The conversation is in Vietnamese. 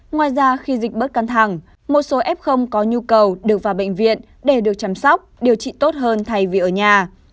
ngoài ra khi dịch bớt căng thẳng một số f có nhu cầu được vào bệnh viện để được chăm sóc điều trị tốt hơn thay vì ở nhà